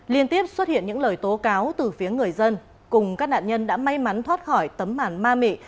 liên tiếp xuất hiện những lời tố cáo từ phía người dân cùng các nạn nhân đã may mắn thoát khỏi tấm màn ma mị